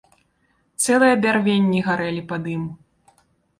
Цэлыя бярвенні гарэлі пад ім.